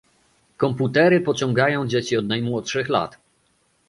Komputery pociągają dzieci od najmłodszych lat